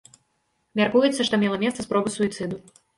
Мяркуецца, што мела месца спроба суіцыду.